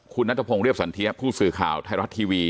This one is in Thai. คุณนัทพงศ์เรียบสันเทียผู้สื่อข่าวไทยรัฐทีวี